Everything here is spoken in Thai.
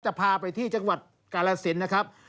จะพาไปที่จังหวัดการาศิลป์นะครับ